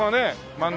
真ん中。